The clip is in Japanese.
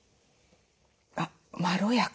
あっまろやか。